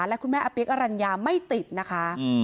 และคุณแม่อเปี๊กอรัญญาไม่ติดนะคะ